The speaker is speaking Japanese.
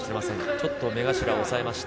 ちょっと目頭を押さえました。